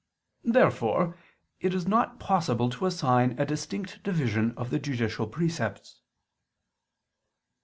Therefore it is not possible to assign a distinct division of the judicial precepts.